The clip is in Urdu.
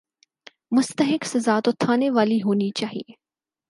مستحق سزا تو تھانے والی ہونی چاہیے۔